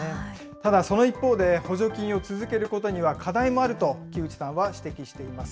ただその一方で、補助金を続けることには課題もあると木内さんは指摘しています。